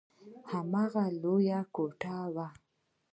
هماغه لويه کوټه وه.